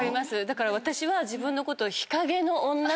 だから私は自分のことを。